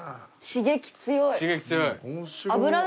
刺激強い。